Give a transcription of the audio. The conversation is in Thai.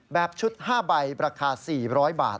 แบบชุด๕ใบราคา๔๐๐บาท